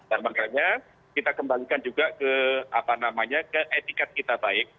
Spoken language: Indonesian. dan makanya kita kembangkan juga ke etikat kita baik